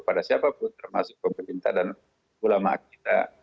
pada siapapun termasuk pemerintah dan ulama kita